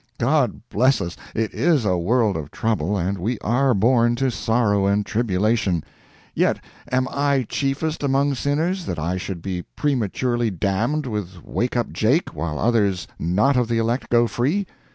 God bless us! it is a world of trouble, and we are born to sorrow and tribulation—yet, am I chiefest among sinners, that I should be prematurely damned with "Wake up Jake," while others not of the elect go free?